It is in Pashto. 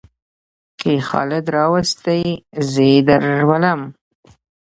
کې خالد راوستى؛ زې درولم.